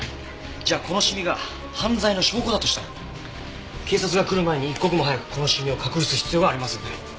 じゃあこのシミが犯罪の証拠だとしたら警察が来る前に一刻も早くこのシミを隠す必要がありますよね。